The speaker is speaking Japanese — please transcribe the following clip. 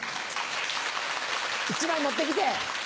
１枚持って来て。